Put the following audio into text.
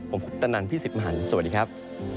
ผมคุปตนันพี่สิทธิ์มหันฯสวัสดีครับ